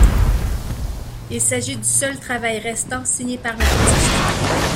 Il s'agit du seul travail restant signé par l'artiste.